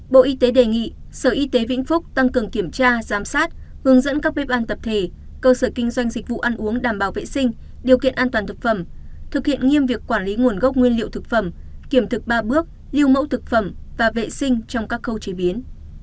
bộ y tế đề nghị sở y tế vĩnh phúc tăng cường kiểm tra giám sát hướng dẫn các bếp ăn tập thể cơ sở kinh doanh dịch vụ ăn uống đảm bảo vệ sinh điều kiện an toàn thực phẩm thực hiện nghiêm việc quản lý nguồn gốc nguyên liệu thực phẩm kiểm thực ba bước lưu mẫu thực phẩm và vệ sinh trong các khâu chế biến